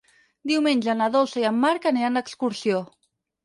Diumenge na Dolça i en Marc aniran d'excursió.